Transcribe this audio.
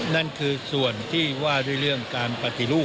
นั่นคือส่วนที่ว่าด้วยเรื่องการปฏิรูป